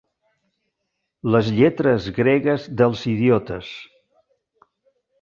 Les lletres gregues dels idiotes.